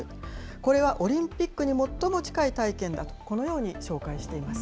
これはオリンピックに最も近い体験だと、このように紹介しています。